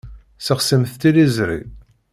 Sexsimt tiliẓṛi.